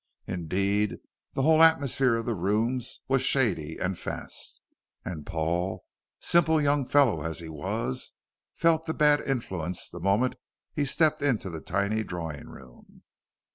Indeed, the whole atmosphere of the rooms was shady and fast, and Paul, simple young fellow as he was, felt the bad influence the moment he stepped into the tiny drawing room.